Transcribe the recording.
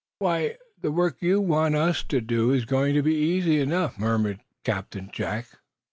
"Why, the work you want us to do is going to be easy enough," murmured Captain Jack.